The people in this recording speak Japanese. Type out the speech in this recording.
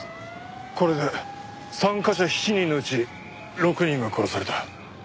これで参加者７人のうち６人が殺された。